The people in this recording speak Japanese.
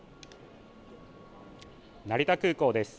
成田空港です。